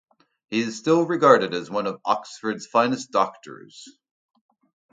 He is still regarded as one of Oxford's finest doctors.